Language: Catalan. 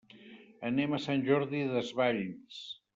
Anem a Sant Jordi Desvalls.